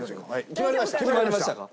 決まりましたか？